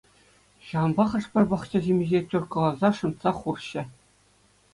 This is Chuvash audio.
Ҫавӑнпа хӑш-пӗр пахча-ҫимӗҫе теркӑласа шӑнтса хурҫҫӗ.